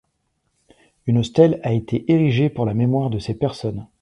Une stèle a été érigée pour la mémoire de ces personnes.